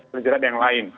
terjerat ada yang lain